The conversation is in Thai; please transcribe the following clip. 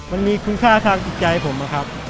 มันมีคุณค่าทางจิตใจผมนะครับ